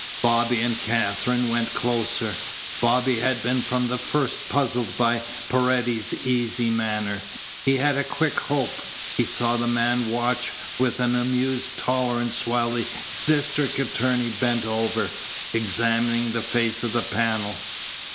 Bobby and Katherine went closer. Bobby had been from the first puzzled by Paredes's easy manner. He had a quick hope. He saw the man watch with an amused tolerance while the district attorney bent over, examining the face of the panel.